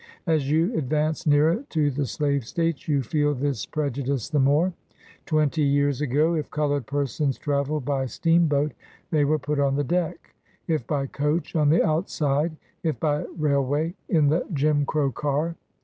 As you advance nearer to the slave States, you feel this prejudice the more. Twenty years ago, if colored persons travelled by steamboat, they were put on the deck ; if by coach, on the outside ; if by railway, in the Jim Crow car.